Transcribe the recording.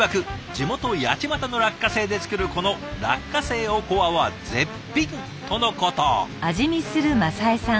地元八街の落花生で作るこの落花生おこわは絶品とのこと。